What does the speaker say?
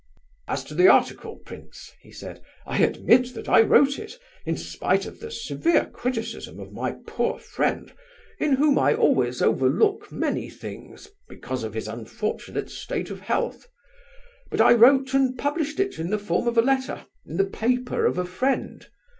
"As to the article, prince," he said, "I admit that I wrote it, in spite of the severe criticism of my poor friend, in whom I always overlook many things because of his unfortunate state of health. But I wrote and published it in the form of a letter, in the paper of a friend.